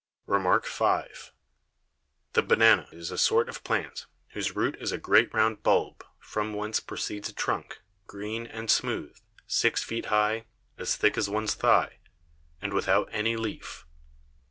REMARK V. The Banane is a sort of Plant, whose Root is a great round Bulb, from whence proceeds a Trunk, green and smooth, six Feet high, as thick as one's Thigh, and without any Leaf.